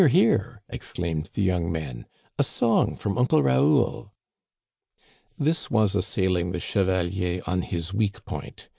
hear !" exclaimed the young men, "a song from Uncle Raoul !" This was assailing the chevalier on his weak point.